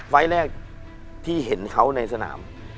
ไฟล์แรกที่เห็นเขาในสนาม